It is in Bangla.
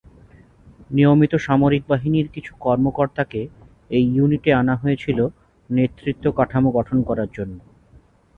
নিয়মিত সামরিক বাহিনীর কিছু কর্মকর্তাকে এই ইউনিটে আনা হয়েছিলো নেতৃত্ব কাঠামো গঠন করার জন্য।